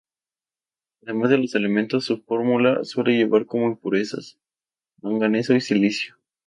Además de los elementos de su fórmula, suele llevar como impurezas: manganeso y silicio.